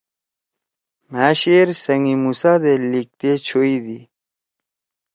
مھأ شعر سنگِ موسٰی دے لیِکھتے چھوئی دی